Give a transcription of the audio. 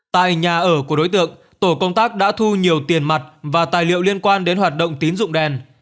tại nhà ở của đối tượng tổ công tác đã thu nhiều tiền mặt và tài liệu liên quan đến hoạt động tín dụng đen